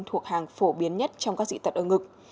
thuộc hàng phổ biến nhất trong các dị tật ở ngực